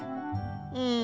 うん。